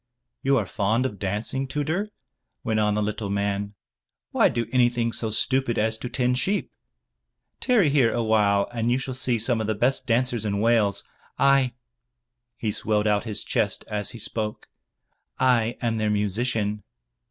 "You are fond of dancing, Tudur," went on the little man, "Why do anything so stupid as to tend sheep? Tarry here awhile, and you shall see some of the best dancers in Wales. I" — ^he swelled out his chest as he spoke, "I am their musician."